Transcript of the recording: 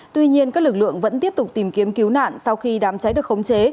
tuy nhiên các lực lượng vẫn tiếp tục tìm kiếm cứu nạn sau khi đám cháy được khống chế